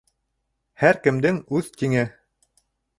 Һәр кемдең үҙ тиңе.